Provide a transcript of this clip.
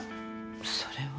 それは。